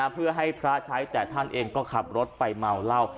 เพื่อให้พระใช้แต่ท่านเองก็ขับรถไปเมาเหล้า